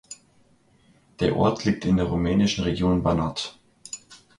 Der Ort liegt in der rumänischen Region Banat.